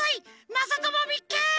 まさともみっけ！